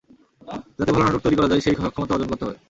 যাতে ভালো নাটক তৈরি করা যায়, সেই সক্ষমতা অর্জন করতে হবে।